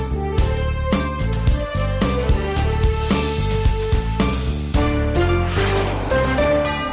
hẹn gặp lại